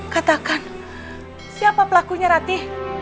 katakan siapa pelakunya rati